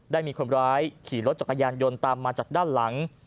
ได้มีคนร้ายขี่รถจักรยานยนต์ตามมาจากด้านหลัง